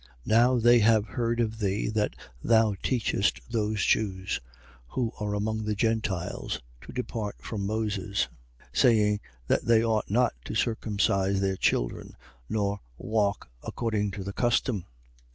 21:21. Now they have heard of thee that thou teachest those Jews, who are among the Gentiles to depart from Moses: saying that they ought not to circumcise their children, nor walk according to the custom.